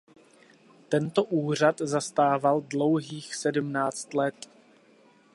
Tento úřad zastával dlouhých sedmnáct let.